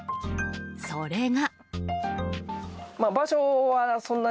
それが。